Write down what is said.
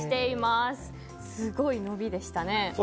すごい伸びでしたね。